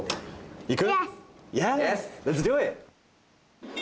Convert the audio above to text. いく？